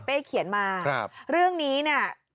เขียนมาเรื่องนี้เนี่ย